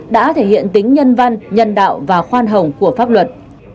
đã thể hiện tính nhân văn nhân đạo và khoan hồng của pháp luật